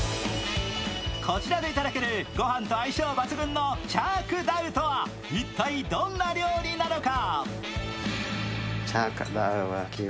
こちらでいただけるご飯と相性抜群のチャー・クダウとは一体どんな料理なのか？